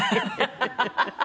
ハハハハ！